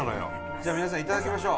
じゃあ皆さんいただきましょう。